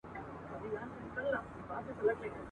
چي ککړي به یې سر کړلې په غرو کي ..